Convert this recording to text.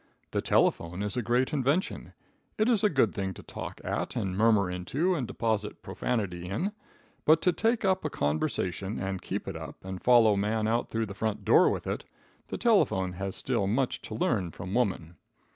The telephone is a great invention. It is a good thing to talk at, and murmur into and deposit profanity in; but to take up a conversation, and keep it up, and follow a man out through the front door with it, the telephone has still much to learn from woman.